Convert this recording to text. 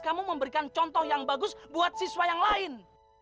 kamu memberikan contoh yang bagus buat siswa yang lain